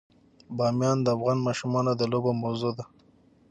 بامیان د افغان ماشومانو د لوبو موضوع ده.